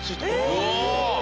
うわ！